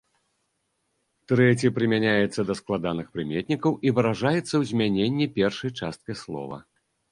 Трэці прымяняецца да складаных прыметнікаў і выражаецца ў змяненні першай часткі слова.